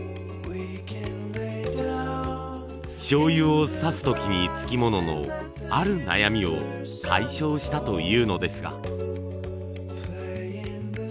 醤油をさす時につきもののある悩みを解消したというのですが。